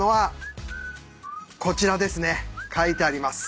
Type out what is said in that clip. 書いてあります。